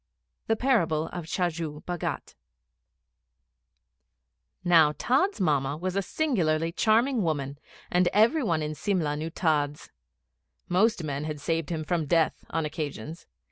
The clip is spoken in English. The Parable of Chajju Bhagat. Now Tods' Mamma was a singularly charming woman, and every one in Simla knew Tods. Most men had saved him from death on occasions.